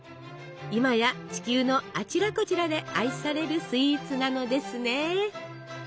今や地球のあちらこちらで愛されるスイーツなのですね。